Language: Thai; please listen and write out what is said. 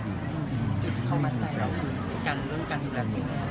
จุดเข้ามาใจแล้วคือเรื่องการอยู่ด้วยกัน